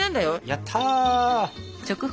やった！